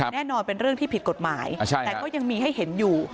แน่นอนเป็นเรื่องที่ผิดกฎหมายแต่ก็ยังมีให้เห็นอยู่